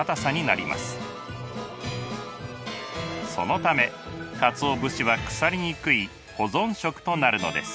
そのためかつお節は腐りにくい保存食となるのです。